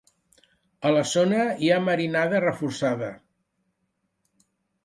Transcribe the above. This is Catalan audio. A la zona hi ha marinada reforçada.